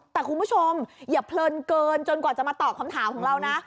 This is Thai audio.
แต่คุณผู้ชมอย่าเพลินเกินจนกว่าจะมาตอบคำถามของเรานะ